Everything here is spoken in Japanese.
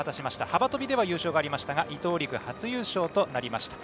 幅跳びでは優勝がありましたが伊藤陸初優勝となりました。